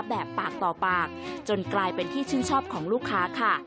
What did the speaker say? แบบปากต่อปากจนกลายเป็นที่ชื่นชอบของลูกค้าค่ะ